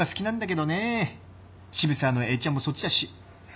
渋沢の栄ちゃんもそっちだし。